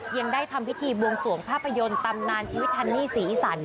ยังได้ทำพิธีบวงสวงภาพยนตร์ตำนานชีวิตฮันนี่ศรีสัน